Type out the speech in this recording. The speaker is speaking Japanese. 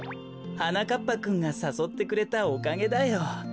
はなかっぱくんがさそってくれたおかげだよ。